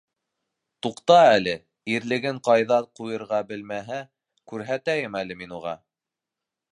Туҡта әле, ирлеген ҡайҙа ҡуйырға белмәһә, күрһәтәйем әле мин уға!